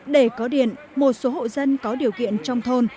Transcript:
để có điện một số hộ dân có điều kiện trong thôn